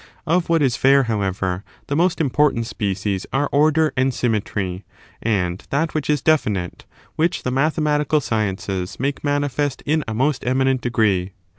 Of what is fair, however, the most important species are order and symmetry, and that which is definite, which the mathematical sciences make manifest in a most eminent degree.